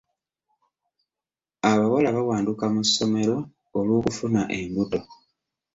Abawala bawanduka mu ssomero olw'okufuna embuto.